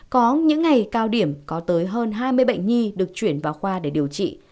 có những ngày cao điểm có tới hơn hai mươi bệnh nhi được chuyển vào khoa để điều trị